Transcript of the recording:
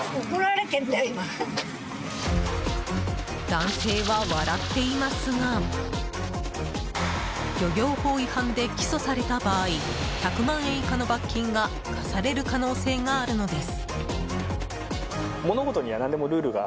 男性は笑っていますが漁業法違反で起訴された場合１００万円以下の罰金が科される可能性があるのです。